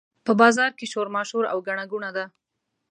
په بازار کې شورماشور او ګڼه ګوڼه ده.